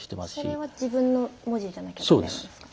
それは自分の文字じゃなきゃダメなんですか？